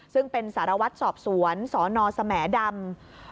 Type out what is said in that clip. ซึ่งเป็นสารวัตรสอบสวนสนสแหมดำ